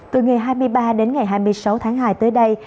từ ngày hai mươi ba đến ngày hai mươi sáu tháng hai tới đây